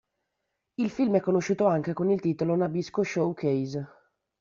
Il film è conosciuto anche con il titolo Nabisco Showcase.